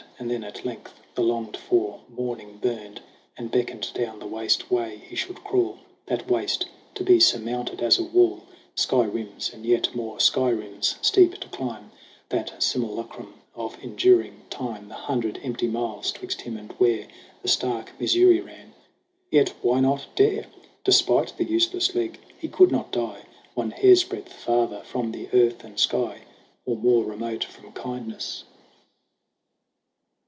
And then at length the longed for morning burned And beckoned down the vast way he should crawl That waste to be surmounted as a wall, Sky rims and yet more sky rims steep to climb That simulacrum of enduring Time The hundred empty miles 'twixt him and where The stark Missouri ran ! Yet why not dare ? Despite the useless leg, he could not die One hairsbreadth farther from the earth and sky, Or more remote from kindness.